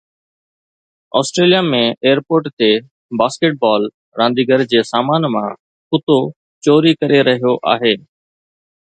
Australia ۾ airport تي basketball رانديگر جي سامان مان ڪتو چوري ڪري رهيو آهي